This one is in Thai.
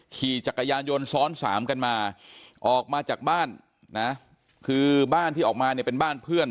ขี่จักรยานยนต์ซ้อนสามกันมาออกมาจากบ้านนะคือบ้านที่ออกมาเนี่ยเป็นบ้านเพื่อน